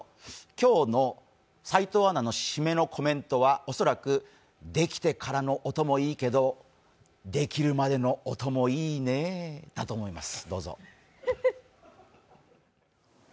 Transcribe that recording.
今日の斎藤アナの締めのコメントは恐らくできてからの音もいいけどできるまでの音もいいねだと思います。